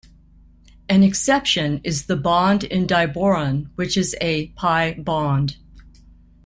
An exception is the bond in diboron, which is a pi bond.